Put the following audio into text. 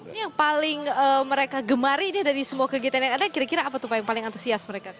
ini yang paling mereka gemari dari semua kegiatan yang ada kira kira apa tuh pak yang paling antusias mereka